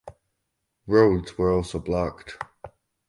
Roads were also blocked.